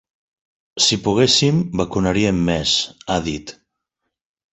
Si poguéssim, vacunaríem més, ha dit.